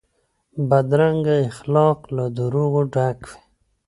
بدرنګه اخلاق له دروغو ډک وي